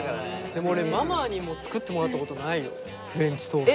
でも俺ママにも作ってもらったことないよフレンチトースト。